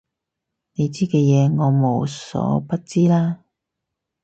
你嘅嘢我無所不知啦